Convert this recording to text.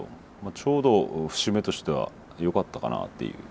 ちょうど節目としてはよかったかなっていう。